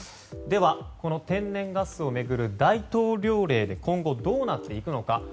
では、この天然ガスを巡る大統領令で今後、どうなっていくのか。